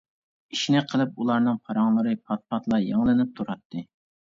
ئىشنى قىلىپ ئۇلارنىڭ پاراڭلىرى پات-پاتلا يېڭىلىنىپ تۇراتتى.